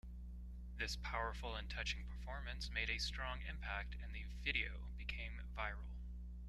This powerful and touching performance made a strong impact and the video became viral.